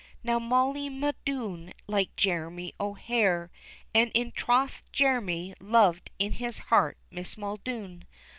Now Molly Muldoon liked Jemmy O'Hare, And in troth Jemmy loved in his heart Miss Muldoon.